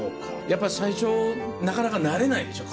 やっぱり最初なかなか慣れないでしょ？